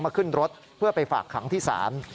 ขึ้นรถเพื่อไปฝากขังที่ศาล